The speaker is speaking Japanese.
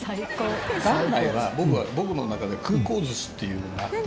元来は僕の中で空港寿司っていうのがあって。